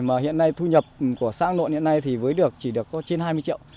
mà hiện nay thu nhập của xã hương nội hiện nay thì với được chỉ được trên hai mươi triệu